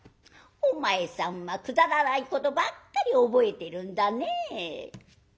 「お前さんはくだらないことばっかり覚えてるんだねえ」。